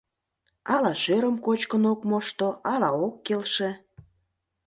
Ала шӧрым кочкын ок мошто, ала ок келше.